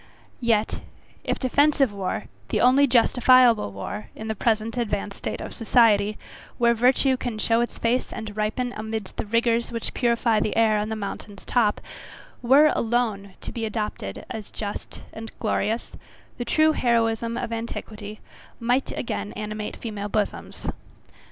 Yet, if defensive war, the only justifiable war, in the present advanced state of society, where virtue can show its face and ripen amidst the rigours which purify the air on the mountain's top, were alone to be adopted as just and glorious, the true heroism of antiquity might again animate female bosoms.